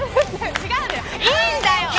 違うのよ、いいんだよ。